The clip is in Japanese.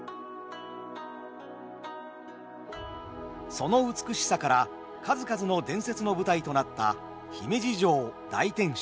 その美しさから数々の伝説の舞台となった姫路城大天守。